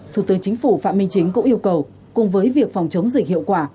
thủ tướng chính phủ phạm minh chính cũng yêu cầu cùng với việc phòng chống dịch hiệu quả